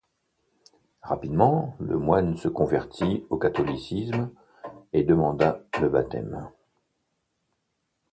Rapidement, le moine se convertit au catholicisme et demanda le baptême.